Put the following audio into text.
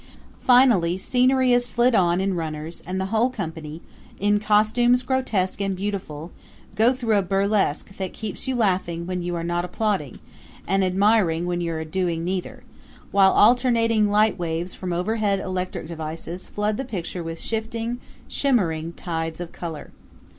Finally scenery is slid in on runners and the whole company, in costumes grotesque and beautiful, go through a burlesque that keeps you laughing when you are not applauding, and admiring when you are doing neither; while alternating lightwaves from overhead electric devices flood the picture with shifting, shimmering tides of color.